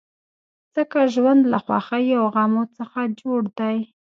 ځکه ژوند له خوښیو او غمو څخه جوړ دی.